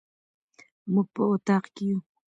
موږ په اطاق کي يو